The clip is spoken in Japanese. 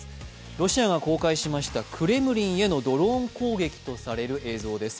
ロシアが公開しましたクレムリンへのドローン攻撃とされる映像です。